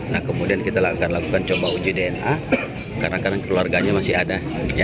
nah kemudian kita akan lakukan coba uji dna kadang kadang keluarganya masih ada